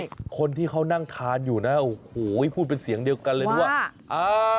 ใช่คนที่เขานั่งทานอยู่นะโอ้โหพูดเป็นเสียงเดียวกันเลยนะว่าอ่า